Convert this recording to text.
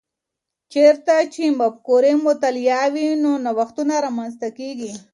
چیرته چي مفکورې مطالعې وي، نو نوښتونه رامنځته کیږي؟